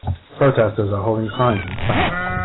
Protesters are holding signs in Spanish.